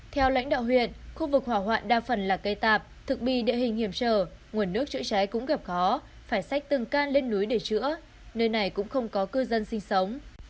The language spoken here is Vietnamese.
theo lãnh đạo huyện khu vực hỏa hoạn đa phần là cây tạp thực bị địa hình hiểm trở nguồn nước chữa cháy cũng gặp khó phải xách từng can lên núi để chữa nơi này cũng không có cư dân sinh sống